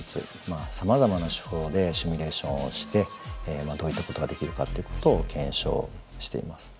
さまざまな手法でシミュレーションをしてどういったことができるかっていうことを検証しています。